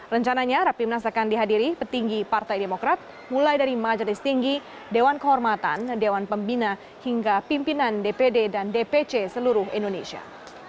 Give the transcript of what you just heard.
rencananya rapimnas akan dihadiri petinggi partai demokrat mulai dari majelis tinggi dewan kehormatan dewan pembina hingga pimpinan dpd dan dpc seluruh indonesia